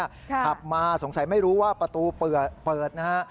ขับมาสงสัยไม่รู้ว่าประตูเปิดนะฮะ